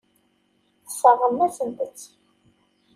Tesseṛɣem-asent-tt.